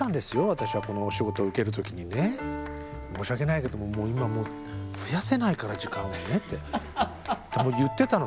私はこのお仕事を受ける時にね申し訳ないけども今もう増やせないから時間をねって言ってたの。